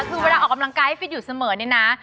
คือเวลาออกกำลังกายให้ฟิตอยู่เสมอเนี่ยนะ